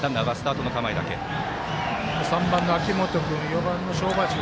３番の秋元君４番の正林君